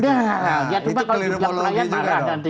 nah ya cuma kalau tidak pelayan marah nanti